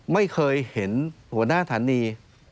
ไม่เคยเห็นหัวหน้าฐานี